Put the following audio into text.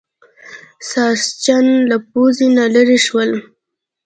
ساسچن له پوزې نه لرې شول.